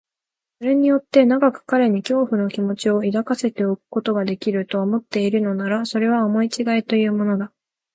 それによって長く彼に恐怖の気持を抱かせておくことができる、と思っているのなら、それは思いちがいというものだ。